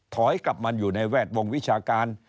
ถอยกลับมาอยู่ในแวดวงวิชาการ